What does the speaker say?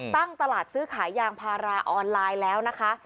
ตั้งตลาดซื้อขายยางพาราออนไลน์แล้วนะคะ